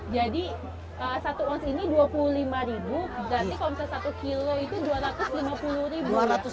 jadi satu oz ini dua puluh lima ribu berarti kalau misalnya satu kilo itu dua ratus lima puluh ribu